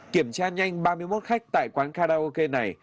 kiểm tra nhanh ba mươi một khách tại quán karaoke này